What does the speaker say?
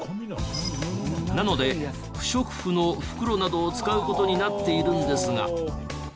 なので不織布の袋などを使う事になっているんですが。